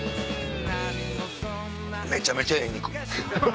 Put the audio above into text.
めちゃめちゃええ肉。